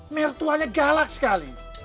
mertuanya galak sekali